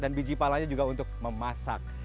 dan biji palanya juga untuk memasak